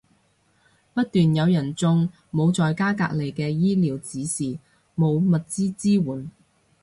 不斷有人中，冇在家隔離嘅醫療指示，冇物資支援